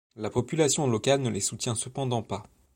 La population locale ne les soutient cependant pas.